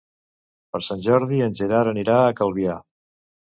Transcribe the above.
Per Sant Jordi en Gerard anirà a Calvià.